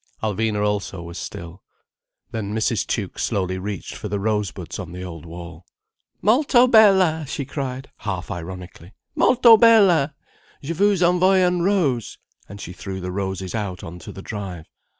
Alvina also was still. Then Mrs. Tuke slowly reached for the rose buds on the old wall. "Molto bella!" she cried, half ironically. "Molto bella! Je vous envoie une rose—" And she threw the roses out on to the drive.